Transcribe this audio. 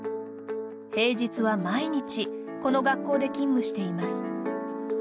平日は毎日この学校で勤務しています。